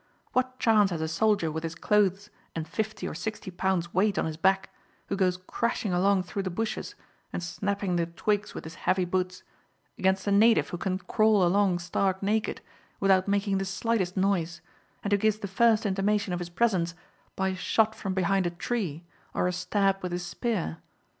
What chance has a soldier with his clothes and fifty or sixty pounds weight on his back, who goes crashing along through the bushes and snapping the twigs with his heavy boots, against a native who can crawl along stark naked without making the slightest noise, and who gives the first intimation of his presence by a shot from behind a tree, or a stab with his spear?